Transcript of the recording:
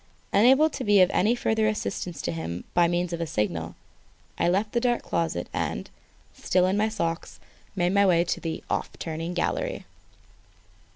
Unable to be of any further assistance to him by means of a signal, I left the dark closet and, still in my socks, made my way to the "off turning" gallery.